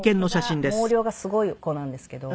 毛量がすごい子なんですけど。